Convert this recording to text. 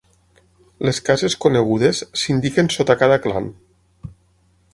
Les cases conegudes s'indiquen sota cada clan.